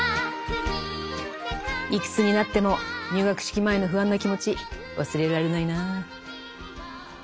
いくつになっても入学式前の不安な気持ち忘れられないなぁ。